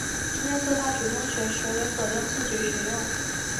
真正做到主动学、学为所用、自觉学用